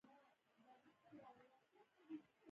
د ایران تجربه د زده کړې وړ ده.